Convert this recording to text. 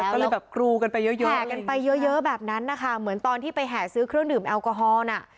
แล้วต้องเลยแบบกรูกันไปเยอะแบบนั้นนะคะเหมือนตอนที่ไปแห่ซื้อเครื่องดื่มแอลกอฮอลน่ะ